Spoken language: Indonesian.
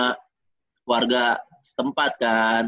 kelas tujuh keluarga setempat kan